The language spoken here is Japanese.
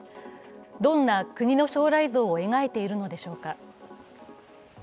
どんな国の将来像を描いているのでしょうか。